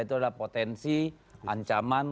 itu adalah potensi ancaman